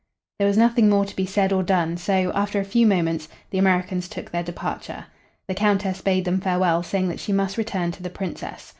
There was nothing more to be said or done, so, after a few moments, the Americans took their departure. The Countess bade them farewell, saying that she must return to the Princess.